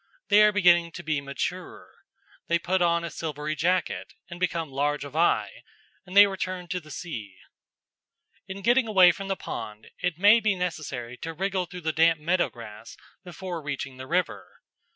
They are beginning to be mature. They put on a silvery jacket and become large of eye, and they return to the sea. In getting away from the pond it may be necessary to wriggle through the damp meadow grass before reaching the river.